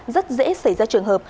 rất dễ xảy ra trường hợp